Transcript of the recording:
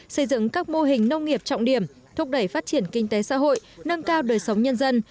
xây dựng các mô hình nông nghiệp trọng điểm thúc đẩy phát triển kinh tế xã hội nâng cao đời sống nhân dân